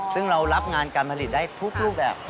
ซึ่งเรารับงานการผลิตได้ทุกรูปแบบ